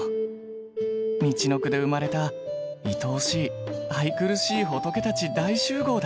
みちのくで生まれたいとおしい愛くるしい仏たち大集合だ。